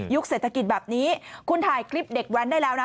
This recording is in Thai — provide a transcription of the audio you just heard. เศรษฐกิจแบบนี้คุณถ่ายคลิปเด็กแว้นได้แล้วนะ